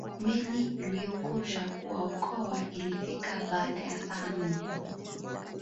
Meli iliyokuja kuwaokoa ilifika baada ya saa nne